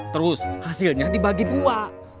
terus hasilnya dibagi dua